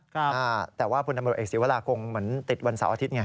ครับแต่ว่าบกทศสิวราคงเหมือนติดวันเสาร์อาทิตย์ไง